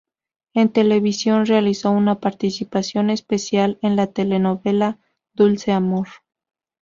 En televisión realizó una participación especial en la telenovela "Dulce Amor".